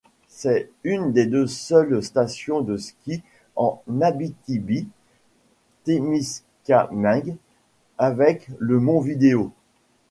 C'est une des deux seules stations de ski en Abitibi-Témiscamingue avec le mont Vidéo.